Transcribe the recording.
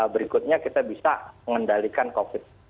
berikutnya kita bisa mengendalikan covid